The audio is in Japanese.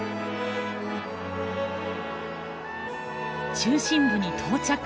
中心部に到着！